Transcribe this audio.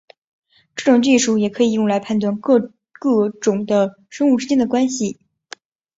这种技术也可以用来判断各个种的生物之间的关系。